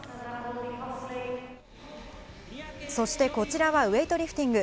そしてこちらはウエイトリフティング。